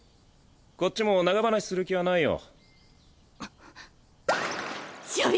こっちも長話する気はないよ。